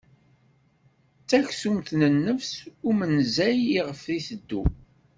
D taksumt d nnefs, d umenzay iɣef iteddu.